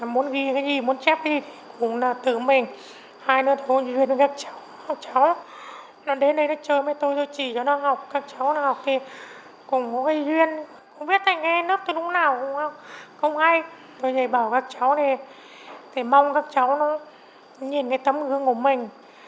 mình không biết được bằng tay không biết được bằng chân